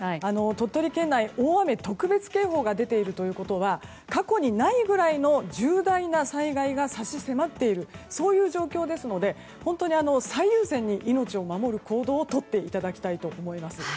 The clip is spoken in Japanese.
鳥取県内、大雨特別警報が出ているということは過去にないぐらいの重大な災害が差し迫っているという状況ですので本当に最優先に命を守る行動をとっていただきたいと思います。